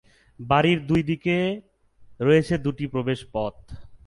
বাড়ির দুই দিকে রয়েছে দুটি প্রবেশপথ।